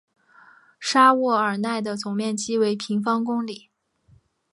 沙沃尔奈的总面积为平方公里。